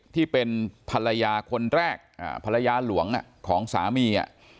ที่เป็นภรรยาคนแรกภรรยาหลวงของสามี